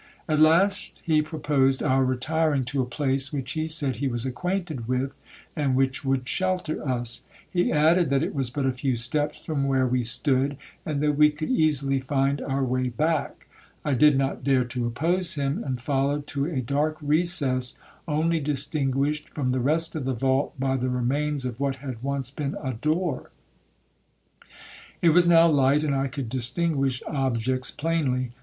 At last he proposed our retiring to a place which he said he was acquainted with, and which would shelter us. He added, that it was but a few steps from where we stood, and that we could easily find our way back. I did not dare to oppose him, and followed to a dark recess, only distinguished from the rest of the vault by the remains of what had once been a door. It was now light, and I could distinguish objects plainly.